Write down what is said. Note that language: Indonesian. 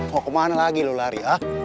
mau kemana lagi lo lari ya